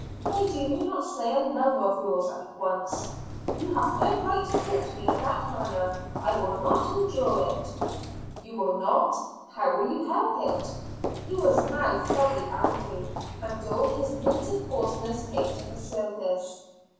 "Why do you not say a lover of yours, at once?" "You have no right to talk to me in that manner. I will not endure it." "You will not how will you help it?" He was now thoroughly angry, and all his native coarseness came to the surface.